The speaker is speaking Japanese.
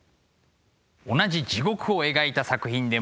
同じ地獄を描いた作品でも。